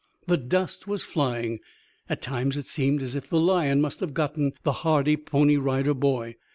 The dust was flying. At times it seemed as if the lion must have gotten the hardy Pony Rider boy.